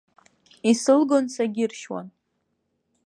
Исылгон, сагьыршьуан.